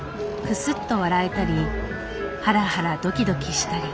クスッと笑えたりハラハラドキドキしたり。